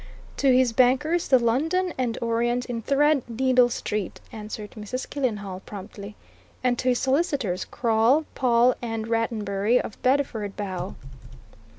"To his bankers, the London and Orient, in Threadneedle Street," answered Mrs. Killenhall promptly. "And to his solicitors, Crawle, Pawle and Rattenbury, of Bedford Bow."